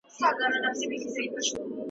د ابداليانو قواوو په دلارام کې ماته وخوړه.